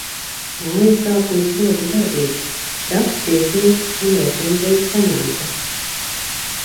Maija sākums ļoti darbīgs. Raksts iesniegts un recenzija saņemta.